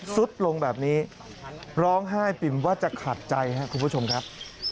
สุดลงแบบนี้ร้องไห้ปิ่มว่าจะขาดใจครับคุณผู้ชมครับ